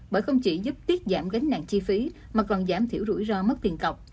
bởi không chỉ giúp tiết giảm gánh nặng chi phí mà còn giảm thiểu rủi ro mất tiền cọc